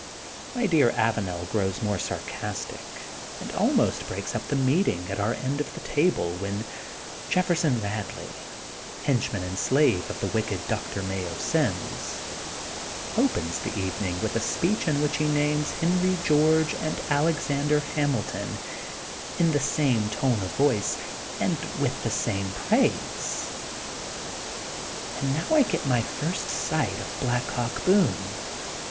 My dear Avanel grows more sarcastic and almost breaks up the meeting at our end of the table when Jefferson Badley, henchman and slave of the wicked Doctor Mayo Sims, opens the evening with a speech in which he names Henry George and Alexander Hamil \ 98 THE GOLDEN BOOK OF SPRINGFIELD ton, in the same tone of \roice and with the same praise. And now I get my first sight of Black Hawk Boone.